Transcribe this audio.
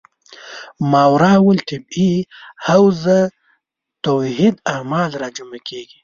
ماورا الطبیعي حوزه توحید اعمال راجع کېږي.